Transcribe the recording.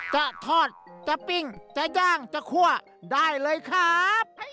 จะทอดจะปิ้งจะย่างจะคั่วได้เลยครับ